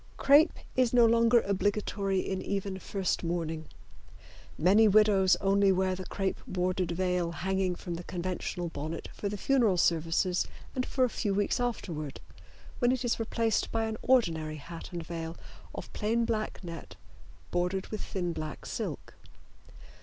Crepe is no longer obligatory in even first mourning. Many widows only wear the crepe bordered veil hanging from the conventional bonnet for the funeral services and for a few weeks afterward, when it is replaced by an ordinary hat and veil of plain black net bordered with thin black silk.